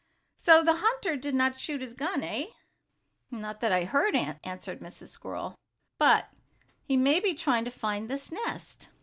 "So the hunter did not shoot his gun, eh?" "Not that I heard," answered Mrs. Squirrel. "But he may be trying to find this nest."